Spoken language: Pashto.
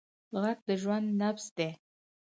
غږ د ژوند نبض دی